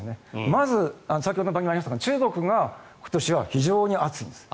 まず、先ほどもありましたが中国が今年は異常に暑いんです。